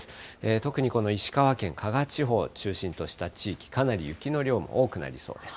特にこの石川県加賀地方を中心とした地域、かなり雪の量も多くなりそうです。